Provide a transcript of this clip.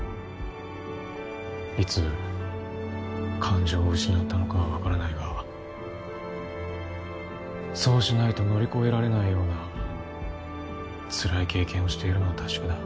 いつ感情を失ったのかはわからないがそうしないと乗り越えられないようなつらい経験をしているのは確かだ。